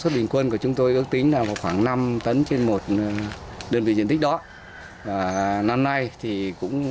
suất bình quân của chúng tôi ước tính là khoảng năm tấn trên một đơn vị diện tích đó năm nay thì cũng